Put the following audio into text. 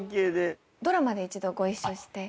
ドラマで一度ご一緒して。